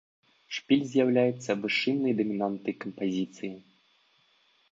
Шпіль з'яўляецца вышыннай дамінантай кампазіцыі.